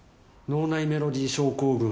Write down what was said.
脳内メロディ症候群。